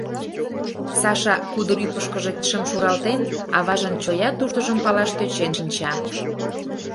Саша, кудыр ӱпышкыжӧ кидшым шуралтен, аважын чоя туштыжым палаш тӧчен шинча.